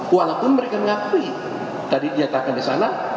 walaupun mereka mengakui tadi diatakan di sana